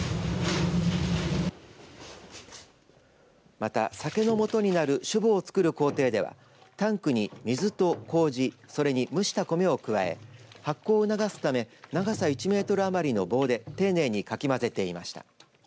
また、酒のもとになる酒母をつくる工程ではタンクに水とこうじそして蒸した米を加え発酵を促すため長さ１メートル余りの棒で丁寧にかき混ぜていました。